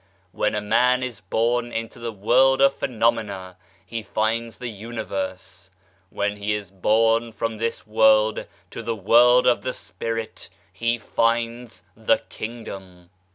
When a man is born into the world of phenomena he finds the Uni verse ; when he is born from this world to the world of the Spirit, he finds the Kingdom."